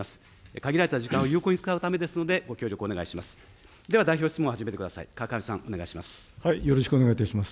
限られた時間を有効に使うためですので、ご協力よろしくお願いします。